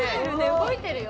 動いてるね。